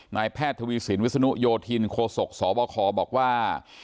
นายแพทย์ทวีสินวิศนุโยธินโคศกสบคบอกว่า